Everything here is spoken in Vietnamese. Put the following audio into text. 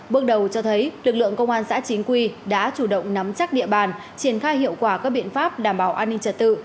bước đầu cho thấy lực lượng công an xã chính quy đã chủ động nắm chắc địa bàn triển khai hiệu quả các biện pháp đảm bảo an ninh trật tự